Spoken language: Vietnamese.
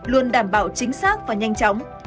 luôn đảm bảo chính xác và nhanh chóng